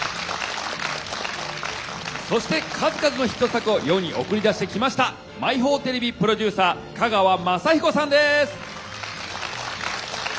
そして数々のヒット作を世に送り出してきました毎宝テレビプロデューサー香川雅彦さんです！